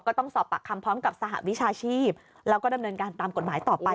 ก็ต้องสอบปากคำพร้อมกับสหวิชาชีพแล้วก็ดำเนินการตามกฎหมายต่อไป